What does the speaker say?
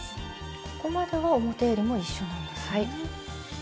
ここまでは表えりも一緒なんですね。